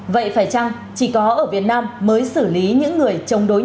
vậy phải chăng chỉ có ở việt nam mới xử lý những người trong đối tượng